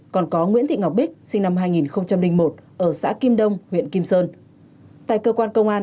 còn có nguyễn thị ngọc bích sinh năm hai nghìn một ở xã kim đông huyện kim sơn tại cơ quan công an